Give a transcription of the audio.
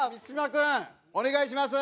君お願いします。